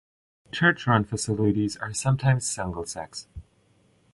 Church-run facilities are sometimes single-sex.